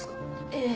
ええ。